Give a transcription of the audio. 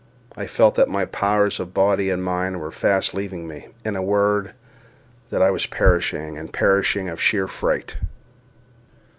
I felt that my powers of body and mind were fast leaving me—in a word, that I was perishing, and perishing of sheer fright.